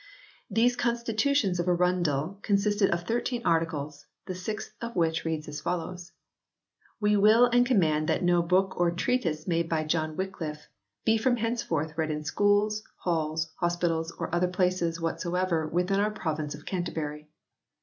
These Consti tutions of Arundel consisted of thirteen Articles, the sixth of which reads as follows :" We will and command that no book or treatise made by John Wycliffe...be from henceforth read in schools, halls, hospitals or other places whatsoever, within our province of Canterbury."